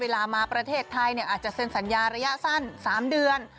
มาประเทศไทยอาจจะเซ็นสัญญาระยะสั้น๓เดือน